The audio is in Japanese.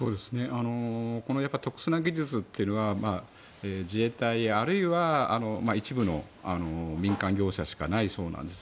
この特殊な技術というのは自衛隊あるいは一部の民間業者しかないそうなんです。